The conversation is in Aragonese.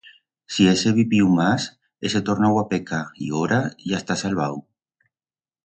Si hese viviu mas, hese tornau a pecar y ora, ya está salvau.